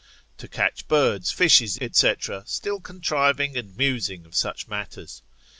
To catch birds, fishes, &c. still contriving and musing of such matters.